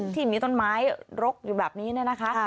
ที่มีต้นไม้รกอยู่แบบนี้เนี่ยนะคะ